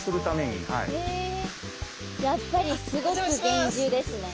へえやっぱりすごく厳重ですね。